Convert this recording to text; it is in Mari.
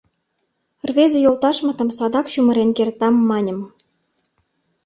Рвезе йолташмытым садак чумырен кертам, маньым...